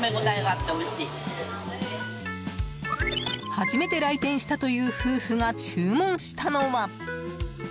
初めて来店したという夫婦が注文したのは。